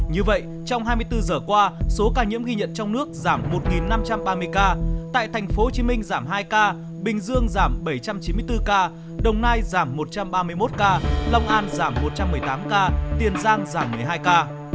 như vậy trong hai mươi bốn giờ qua số ca nhiễm ghi nhận trong nước giảm một năm trăm ba mươi ca tại tp hcm giảm hai ca bình dương giảm bảy trăm chín mươi bốn ca đồng nai giảm một trăm ba mươi một ca long an giảm một trăm một mươi tám ca tiền giang giảm một mươi hai ca